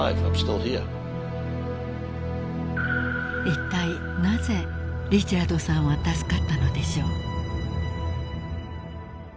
［いったいなぜリチャードさんは助かったのでしょう？］